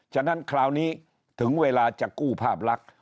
ฉะนั้นคราวนี้ถึงเวลาจะกู้ภาพลักษณ์